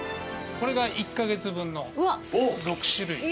これが１か月分の６種類。